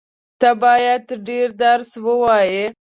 ته بايد ډېر درس ووایې.